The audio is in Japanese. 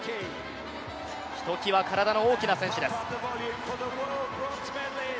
ひときわ体の大きな選手です。